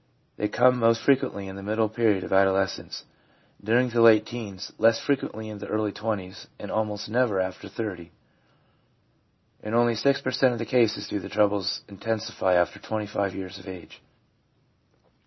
They come most frequently in the middle period of adolescence, during the late teens, less frequently in the early twenties, and almost never after 30. In only 6 per cent, of the cases do the troubles intensify after 25 years of age.